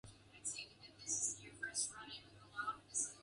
Among the main attractions are the beaches surrounded by rainforest.